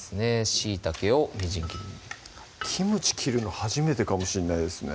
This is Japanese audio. しいたけをみじん切りにキムチ切るの初めてかもしんないですね